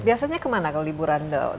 biasanya kemana kalau liburan domestik atau